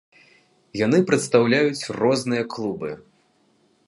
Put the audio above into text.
Яны прадстаўляюць розныя клубы.